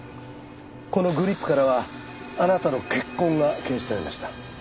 このグリップからはあなたの血痕が検出されました。